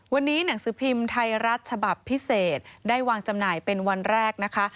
วันนี้หนังสือพิมพ์ไทยรัฐฉบับพิเศษได้วางจำหน่ายเป็นวันแรกนะคะ